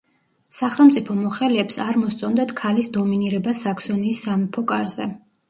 სახელმწიფო მოხელეებს არ მოსწონდათ „ქალის დომინირება საქსონიის სამეფო კარზე“.